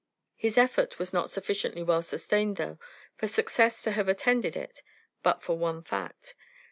His effort was not sufficiently well sustained, though, for success to have attended it, but for one fact.